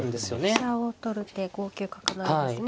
飛車を取る手５九角成ですね。